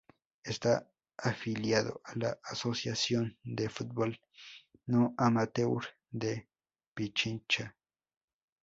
Está afiliado a la Asociación de Fútbol No Amateur de Pichincha.